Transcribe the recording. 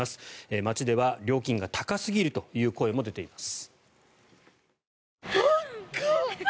街では料金が高すぎるという声も出ています。